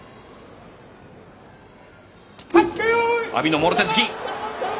阿炎のもろ手突き。